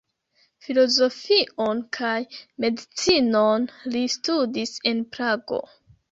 Filozofion kaj medicinon li studis en Prago.